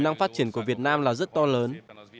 năng phát triển của việt nam là rất to lớn